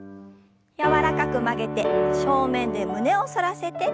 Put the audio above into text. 柔らかく曲げて正面で胸を反らせて。